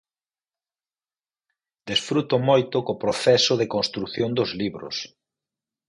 Desfruto moito co proceso de construción dos libros.